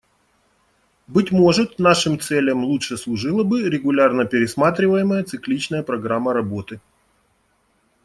Быть может, нашим целям лучше служила бы регулярно пересматриваемая цикличная программа работы.